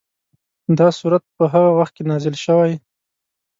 دا سورت په هغه وخت کې نازل شوی.